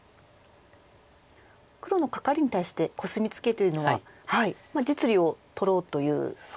黒のカカリに対してコスミツケというのは実利を取ろうという作戦ですか？